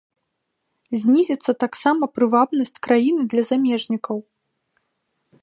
Знізіцца таксама прывабнасць краіны для замежнікаў.